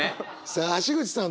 さあ橋口さん